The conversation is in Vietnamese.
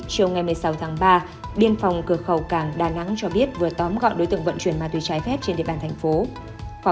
chiều ngày một mươi sáu tháng ba biên phòng cửa khẩu cảng đà nẵng cho biết vừa tóm gọn đối tượng vận chuyển ma túy trái phép trên địa bàn thành phố